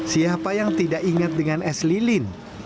siapa yang tidak ingat dengan es lilin